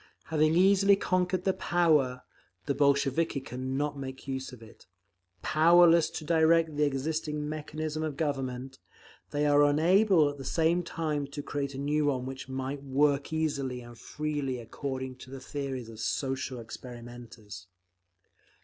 Having easily conquered the power… the Bolsheviki can not make use of it. Powerless to direct the existing mechanism of Government, they are unable at the same time to create a new one which might work easily and freely according to the theories of social experimenters.